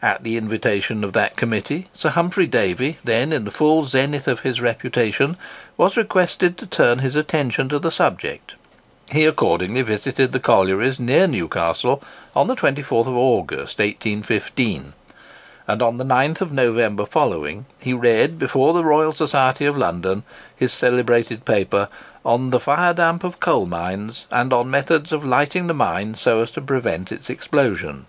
At the invitation of that Committee, Sir Humphry Davy, then in the full zenith of his reputation, was requested to turn his attention to the subject. He accordingly visited the collieries near Newcastle on the 24th of August, 1815; and on the 9th of November following, he read before the Royal Society of London his celebrated paper "On the Fire Damp of Coal Mines, and on Methods of lighting the Mine so as to prevent its explosion."